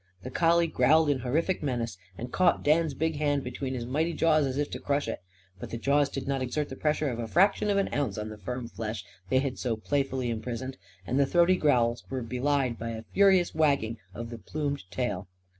The collie growled in horrific menace and caught Dan's big hand between his mighty jaws as if to crush it. But the jaws did not exert the pressure of a fraction of an ounce on the firm flesh they had so playfully imprisoned. And the throaty growls were belied by a furious wagging of the plumed tail.